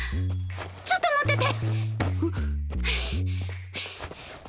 ちょっと持ってて！